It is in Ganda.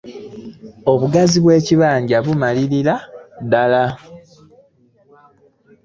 Obugazi bw'ekibanja bumalirira ddala.